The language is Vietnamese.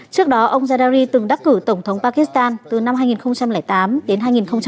trước đó ông zardari từng đắc cử tổng thống pakistan từ năm hai nghìn tám đến hai nghìn một mươi